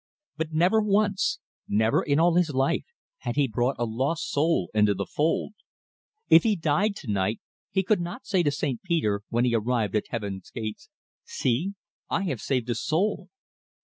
But never once, never in all his life, had he brought a lost soul into the fold. If he died to night, he could not say to St. Peter, when he arrived at Heaven's gate: "See, I have saved a soul!"